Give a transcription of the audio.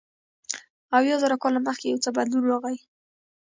اویا زره کاله مخکې یو څه بدلون راغی.